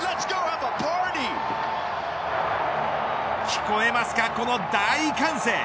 聞こえますか、この大歓声。